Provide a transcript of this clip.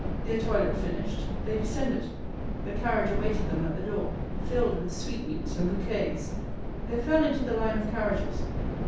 Their toilet finished, they descended; the carriage awaited them at the door, filled with sweetmeats and bouquets. They fell into the line of carriages.